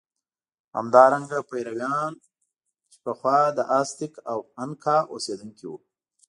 همدارنګه پیرویان چې پخوا د ازتېک او انکا اوسېدونکي وو.